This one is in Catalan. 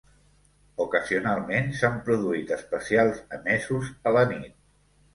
Ocasionalment s'han produït especials emesos a la nit.